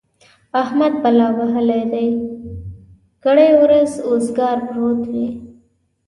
احمد بلا وهلی دی؛ کرۍ ورځ اوزګار پروت وي.